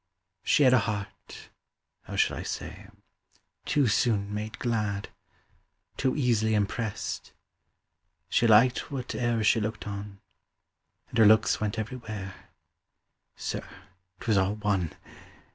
She had A heart how shall I say too soon made glad, Too easily impressed; she liked whate'er She looked on, and her looks went everywhere. Sir, 'twas all one!